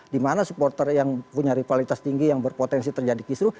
dimana supporter yang punya rivalitas tinggi yang berpotensi terjadi kisru